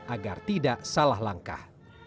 agar tidak salah langkah